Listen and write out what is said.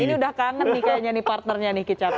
ini udah kangen nih kayaknya nih partnernya nih kicap